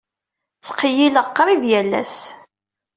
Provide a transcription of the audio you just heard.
Ttqeyyileɣ qrib yal ass.